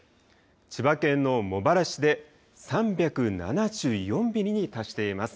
千葉県の茂原市で３７４ミリに達しています。